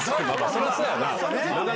そりゃそうやな。